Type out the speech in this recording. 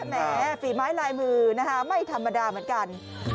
แหมฝีไม้ลายมือนะคะไม่ธรรมดาเหมือนกัน